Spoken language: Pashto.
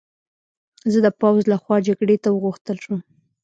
زه د پوځ له خوا جګړې ته وغوښتل شوم